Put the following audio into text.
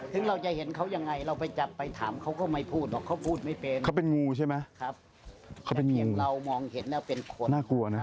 ถึงเราจะเห็นเขายังไงเราไปจับไปถามเขาก็ไม่พูดหรอกเขาพูดไม่เป็น